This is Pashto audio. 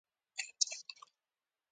هغوی د ارام ژوند لپاره ډېر وسایل جوړ کړل